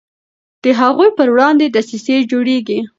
د هغوی پر وړاندې دسیسې جوړیږي.